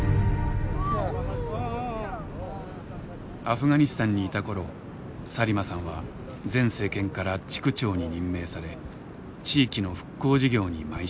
アフガニスタンにいた頃サリマさんは前政権から地区長に任命され地域の復興事業にまい進してきた。